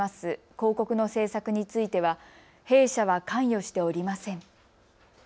広告の制作については弊社は関与しておりません。